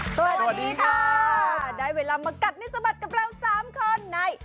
สวัสดีค่ะได้เวลามากัดให้สะบัดกับเราสามคนใน